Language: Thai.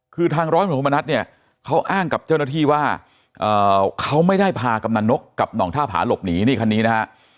คือทางร้อยตำรวจธรรมนัฐเนี่ยเขาอ้างกับเจ้าหน้าที่ว่าเขาไม่ได้พากำนันนกกับห่องท่าผาหลบหนีนี่คันนี้นะฮะ